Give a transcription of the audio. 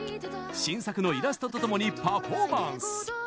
新作のイラストとともにパフォーマンス！